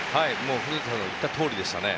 古田さんの言ったとおりでしたね。